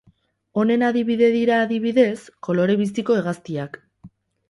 Honen adibide dira, adibidez, kolore biziko hegaztiak.